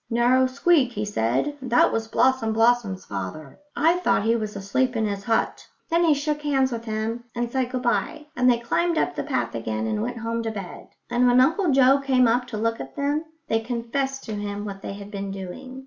"Narrow squeak," he said. "That was Blossom blossom's father. I thought he was asleep in his hut." Then he shook hands with them and said good bye, and they climbed up the path again and went home to bed; and when Uncle Joe came up to look at them, they confessed to him what they had been doing.